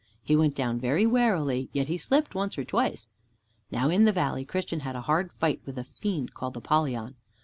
He went down very warily, yet he slipped once or twice. Now in the valley Christian had a hard fight with a fiend called Apollyon.